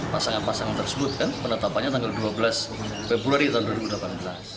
pasangan pasangan tersebut kan penetapannya tanggal dua belas februari tahun dua ribu delapan belas